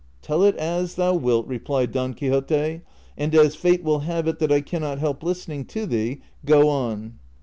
" Tell it as thou wilt," replied Don Quixote ;" and as fate will have it that I can not help listening to thee, go on."